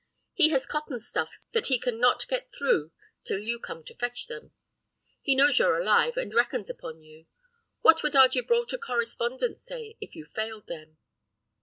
He has cotton stuffs that he can not get through till you come to fetch them. He knows you're alive, and reckons upon you. What would our Gibraltar correspondents say if you failed them?